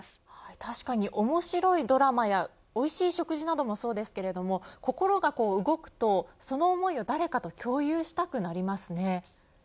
確かに面白いドラマやおいしい食事などもそうですけども心が動くとその思いを誰かと共有したくなりますね。